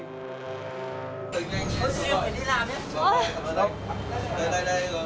nhiều người đi làm nhé